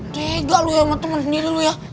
tega lo ya sama temen sendiri lo ya